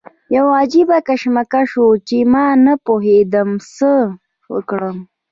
یو عجیبه کشمکش و چې ما نه پوهېدم څه وکړم.